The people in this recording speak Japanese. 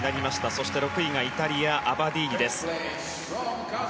そして、６位がイタリア、アバディーニです。